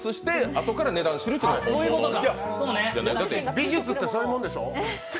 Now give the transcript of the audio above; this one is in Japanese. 美術ってそういうもんでしょう。